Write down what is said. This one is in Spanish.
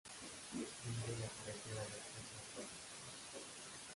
Ninguna carretera da acceso al parque.